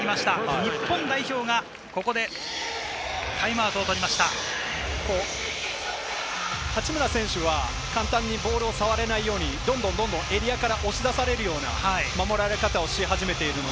日本代表がここでタイムアウトを八村選手は簡単にボールを触れないようにエリアから押し出されるような守られ方をし始めています。